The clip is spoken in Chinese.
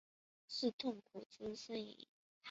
是痛苦之呻吟？